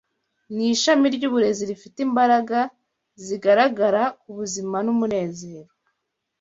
Ni ishami ry’uburezi rifite imbaraga zigaragara ku buzima n’umunezero